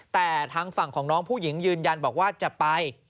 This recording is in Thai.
แต่ทางฝั่งของน้องผู้หญิงยืนยันบอกว่าจะไป